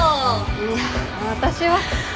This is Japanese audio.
いや私は。